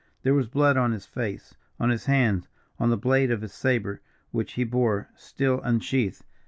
There was blood on his face, on his hands, on the blade of his sabre, which he bore still unsheathed.